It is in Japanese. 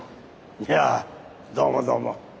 いやどうもどうも。